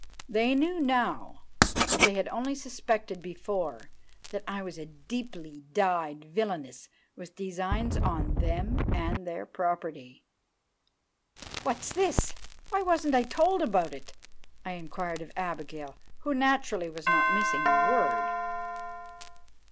They knew now, what they had only suspected before, that I was a deeply dyed villainess with designs on them and their property. "What's this? Why wasn't I told about it?" I inquired of Abigail, who, naturally, was not missing a word.